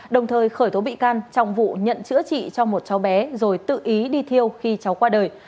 đồng thời khởi tố bị can trong vụ nhận chữa trị cho một cháu bé rồi tự ý đi thiêu khi cháu qua đời